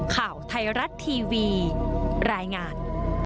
ข่าวไทยรัฐทีวีรายงาน